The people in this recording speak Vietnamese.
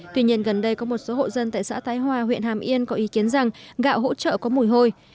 tuy nhiên gần đây có một số hộ dân tại xã thái hòa huyện hàm yên có ý kiến rằng gạo hỗ trợ có mùi hôi